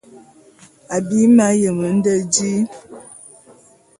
Abim m'ayem nde di.